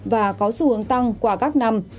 và có xu hướng tăng qua các năm